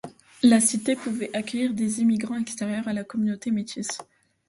La cité pouvait accueillir des immigrants extérieurs à la communauté métisse.